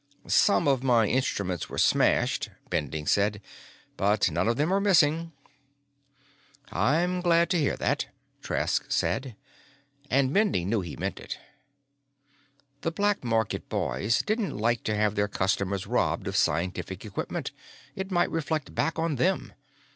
"Some of my instruments were smashed," Bending said, "but none of them are missing." "I'm glad to hear that," Trask said. And Bending knew he meant it. The black market boys didn't like to have their customers robbed of scientific equipment; it might reflect back on them.